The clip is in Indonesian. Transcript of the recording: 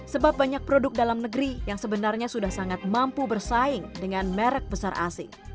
sebab banyak produk dalam negeri yang sebenarnya sudah sangat mampu bersaing dengan merek besar asing